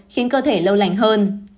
khiến cơ thể lâu lành hơn